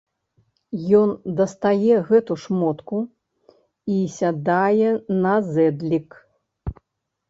Ён дастае гэту шмотку й сядае на зэдлік.